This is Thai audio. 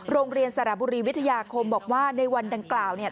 โรงเรียนสระบุรีวิทยาคมบอกว่าในวันดังกล่าวเนี่ย